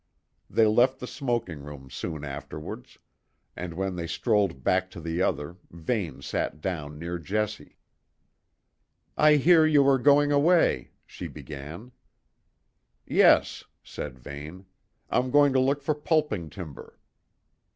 They left the smoking room soon afterwards, and when they strolled back to the other, Vane sat down near Jessie. "I hear you are going away," she began. "Yes," said Vane; "I'm going to look for pulping timber."